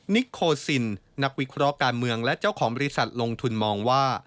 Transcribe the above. นิโคซินนักวิเคราะห์การเมืองและเจ้าของบริษัทลงทุนมองว่า